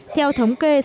theo thống kê